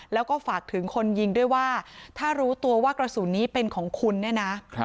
แล้วก็ฝากถึงคนยิงด้วยว่าถ้ารู้ตัวว่ากระสุนนี้เป็นของคุณเนี่ยนะ